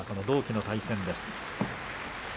同期の対戦です。